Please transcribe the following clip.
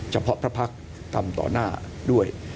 เฉพาะพระพักษ์ทำต่อหน้าด้วย